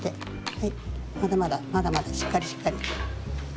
はいまだまだまだまだしっかりしっかり。